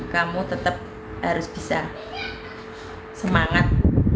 kamu tetap harus bisa semangat